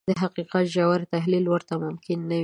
د حقيقت ژور تحليل ورته ممکن نه وي.